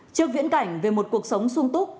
trước viễn cảnh về một cuộc sống sung túc